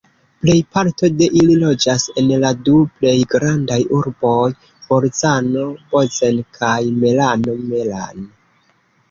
Plejparto de ili loĝas en la du plej grandaj urboj Bolzano-Bozen kaj Merano-Meran.